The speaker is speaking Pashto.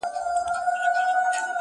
تفریح د انسان ستړیا ختموي